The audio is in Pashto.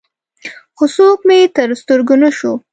خو څوک مې تر سترګو نه شو.